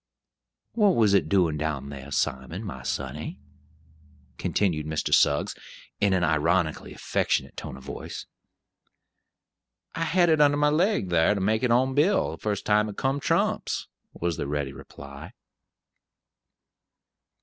"What was it doin' down thar, Simon, my sonny?" continued Mr. Suggs, in an ironically affectionate tone of voice. "I had it under my leg, thar to make it on Bill, the first time it come trumps," was the ready reply.